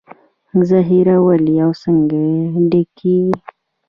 ذخیرې ولې او څنګه ډکېږي